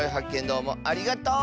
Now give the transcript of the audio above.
どうもありがとう！